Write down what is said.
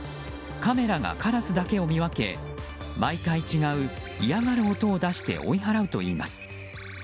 カメラがカラスだけを見分け毎回、違う嫌がる音を出して追い払うといいます。